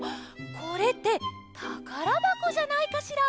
これって「たからばこ」じゃないかしら？